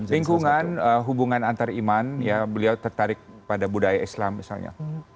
lingkungan hubungan antariman beliau tertarik pada budaya islam misalnya